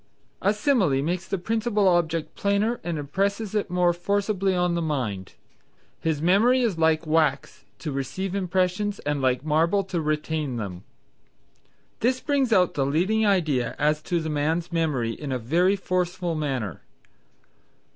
A simile makes the principal object plainer and impresses it more forcibly on the mind. "His memory is like wax to receive impressions and like marble to retain them." This brings out the leading idea as to the man's memory in a very forceful manner.